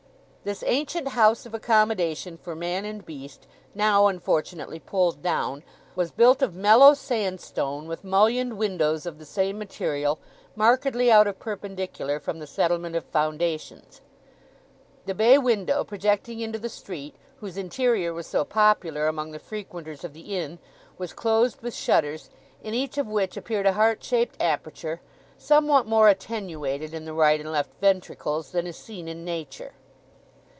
This ancient house of accommodation for man and beast, now, unfortunately, pulled down, was built of mellow sandstone, with mullioned windows of the same material, markedly out of perpendicular from the settlement of foundations. The bay window projecting into the street, whose interior was so popular among the frequenters of the inn, was closed with shutters, in each of which appeared a heart shaped aperture, somewhat more attenuated in the right and left ventricles than is seen in Nature.